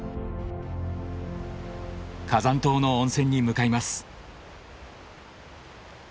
火山島の温泉に向かいます。